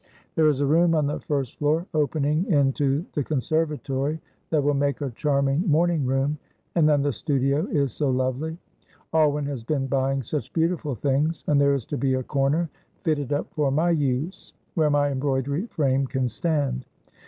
There is a room on the first floor opening into the conservatory that will make a charming morning room, and then the studio is so lovely. Alwyn has been buying such beautiful things, and there is to be a corner fitted up for my use, where my embroidery frame can stand.